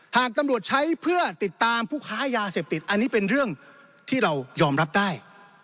หากตำรวจใช้เพื่อติดตามผู้ค้ายาเสพติดอันนี้เป็นเรื่องที่เรายอมรับได้